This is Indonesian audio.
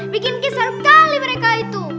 bikin kue seram sekali mereka itu